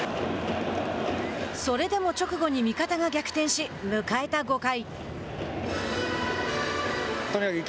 それでも直後に味方が逆転し迎えた５回。